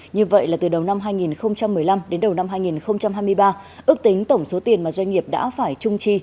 như vậy là từ đầu năm hai nghìn một mươi năm đến đầu năm hai nghìn hai mươi ba ước tính tổng số tiền mà doanh nghiệp đã phải trung chi